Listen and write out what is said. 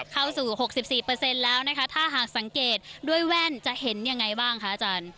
เข้าสู่๖๔แล้วนะคะถ้าหากสังเกตด้วยแว่นจะเห็นยังไงบ้างคะอาจารย์